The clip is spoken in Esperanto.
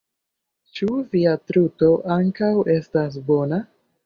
Ĉu via truto ankaŭ estas bona?